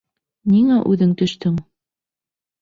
Ниңә үҙең төштөң?